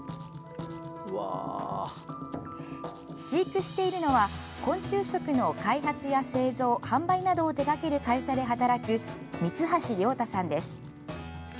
飼育しているのは昆虫食の開発や製造・販売などを手がける会社で働く三橋亮太さんです。